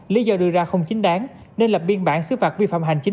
lý do đưa ra không chính đáng nên lập biên bản xứ phạt vi phạm hành chính